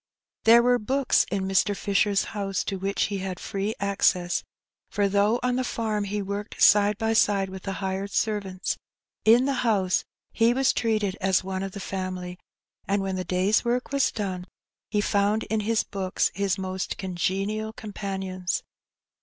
There were books in Mr. Fisher's house to which he had free access, for though on the farm he worked side by side with the hired servants, in the house he was treated as one of the family; and when the day's work was done, he found in his books his most congenial companions.